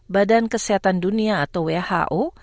badan kesehatan dunia atau who